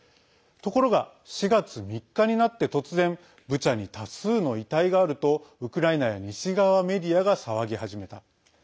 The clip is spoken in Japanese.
ところが、４月３日になって突然ブチャに多数の遺体があるとウクライナや西側メディアが騒ぎ始めた。